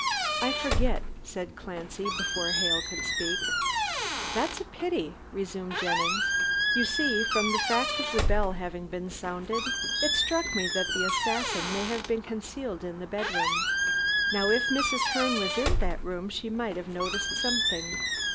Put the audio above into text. "I forget," said Clancy before Hale could speak. "That's a pity," resumed Jennings. "You see from the fact of the bell having been sounded, it struck me that the assassin may have been concealed in the bedroom. Now if Mrs. Herne was in that room, she might have noticed something."